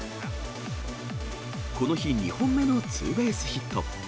この日２本目のツーベースヒット。